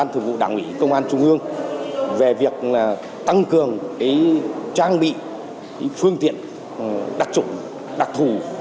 thủ vụ đảng ủy công an trung ương về việc tăng cường trang bị phương tiện đặc trùng đặc thù